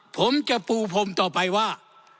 ผมจะปูพรมต่อไปว่า